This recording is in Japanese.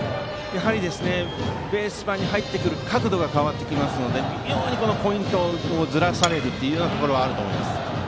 やはりベース板に入ってくる角度が変わってきますので微妙にポイントをずらされるところはあると思います。